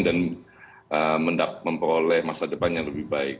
dan memperoleh masa depan yang lebih baik